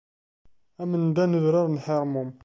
Am nnda n udrar n Ḥirmun.